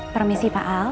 permisi pak al